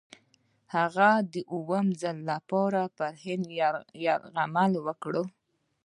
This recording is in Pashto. هغه د اووم ځل لپاره پر هند یرغل وکړ.